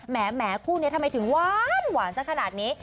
แหมคู่นี้ทำไมถึงหวานสักขนาดนี้